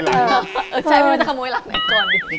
ใช่ไม่ว่าจะขโมยล้างไหนก่อน